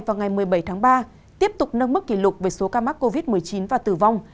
vào ngày một mươi bảy tháng ba tiếp tục nâng mức kỷ lục về số ca mắc covid một mươi chín và tử vong